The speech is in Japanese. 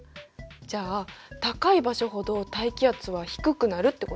じゃあ高い場所ほど大気圧は低くなるってことなの？